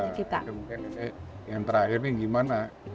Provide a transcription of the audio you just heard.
nah kemungkinan eh yang terakhir nih gimana